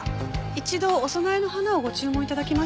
一度お供えの花をご注文頂きましたから。